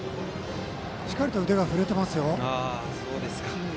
しっかり腕が振れています。